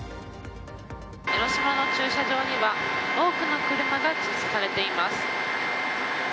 江の島の駐車場には多くの車が駐車されています。